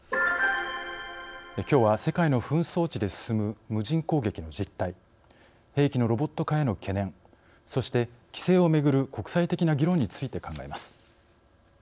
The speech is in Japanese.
きょうは世界の紛争地で進む無人攻撃の実態兵器のロボット化への懸念そして、規制をめぐる国際的な議論について考えます。